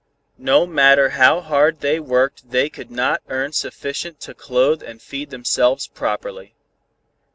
No matter how hard they worked they could not earn sufficient to clothe and feed themselves properly.